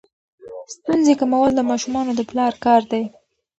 ستونزې کمول د ماشومانو د پلار کار دی.